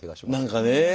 何かね。